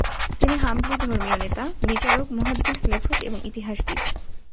তিনি হাম্বলি ধর্মীয় নেতা, বিচারক, মুহাদ্দিস, লেখক এবং ইতিহাসবিদ।